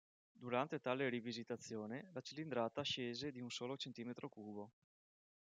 Durante tale rivisitazione, la cilindrata scese di un solo centimetro cubo.